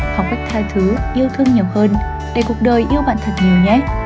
học cách tha thứ yêu thương nhiều hơn để cuộc đời yêu bạn thật nhiều nhé